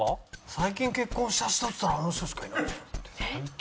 最近結婚した人っつったらあの人しかいないじゃんだって。